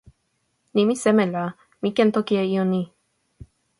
nimi seme la mi ken toki e ijo ni?